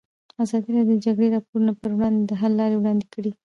ازادي راډیو د د جګړې راپورونه پر وړاندې د حل لارې وړاندې کړي.